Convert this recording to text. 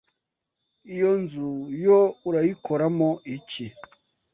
Iyo nzu yo urayikoramo iki